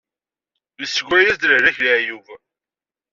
Issegra-yas-d lehlak leɛyub.